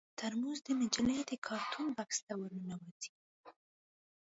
ترموز د نجلۍ د کارتو بکس ته ور ننوځي.